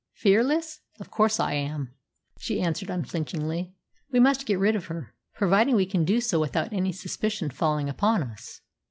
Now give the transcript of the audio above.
"Fearless? Of course I am," she answered unflinchingly. "We must get rid of her." "Providing we can do so without any suspicion falling upon us."